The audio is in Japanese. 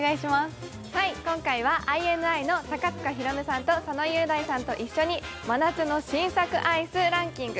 今回はＩＮＩの高塚大夢さんと佐野雄大さんと一緒に真夏の新作アイスランキング